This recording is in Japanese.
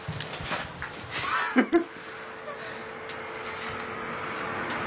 フフッ。